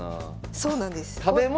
そうなんです。